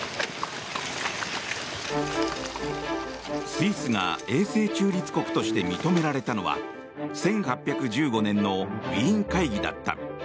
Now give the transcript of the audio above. スイスが永世中立国として認められたのは１８１５年のウィーン会議だった。